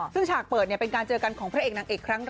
ซึ่งฉากเปิดเป็นการเจอกันของพระเอกนางเอกครั้งแรก